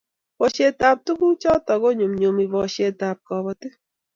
Poshet ab tuguk chutok ko nyumnyumi poshet ab kabatik